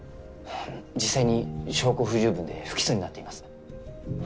実際に証拠不十分で不起訴になっています。